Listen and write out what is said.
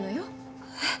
えっ？